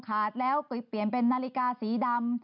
ขาดแล้วไปเปลี่ยนเป็นนาฬิกาสีดำ